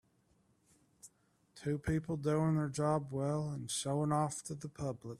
Two people doing their job well and showing off to the public.